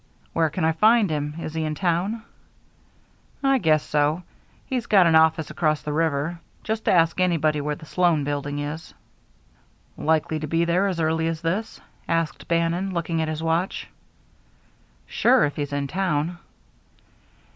"Where can I find him? Is he in town?" "I guess so. He's got an office across the river. Just ask anybody where the Sloan Building is." "Likely to be there as early as this?" asked Bannon, looking at his watch. "Sure, if he's in town."